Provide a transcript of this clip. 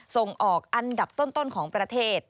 ส่งออกอันดับต้นของประเทศ